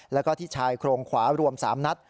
แล้วก็ที่ชายโครงขวารวม๓นัด